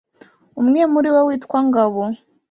umwe muribo witwa ngabo